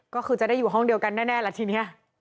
ก็คือจะได้อยู่ห้องเดียวกันแน่ละทีนี้